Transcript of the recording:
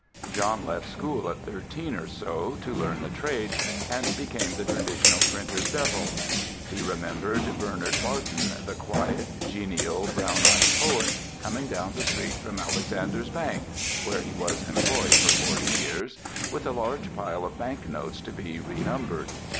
John left school at thirteen or so, to learn the trade, and became the traditional printer's devil. He remembered Bernard Barton, the quiet, genial, brown eyed poet, coming down the street from Alexander's Bank (where he was employed for forty years) with a large pile of banknotes to be renumbered.